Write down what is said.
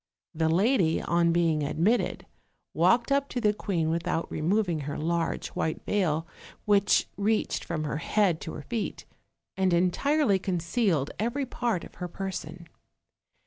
The lady, on being admitted, walked up to the queen without removing her large white veil, which reached from her head to her feet, and entirely concealed every part oil her person.